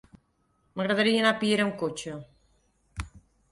M'agradaria anar a Piera amb cotxe.